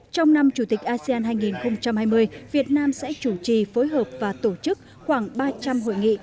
trong năm chủ tịch asean hai nghìn hai mươi việt nam sẽ chủ trì phối hợp và tổ chức khoảng ba trăm linh hội nghị